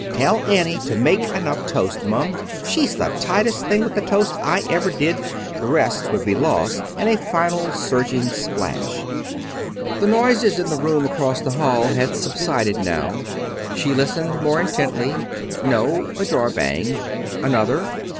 "Tell Annie to make enough toast, Mum. She's the tightest thing with the toast I ever did " The rest would be lost in a final surging splash. The noises in the room across the hall had subsided now. She listened more intently. No, a drawer banged. Another.